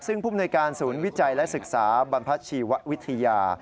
ซึ่งภูมิในการศูนย์วิจัยและศึกษาบรรพชีววิทยา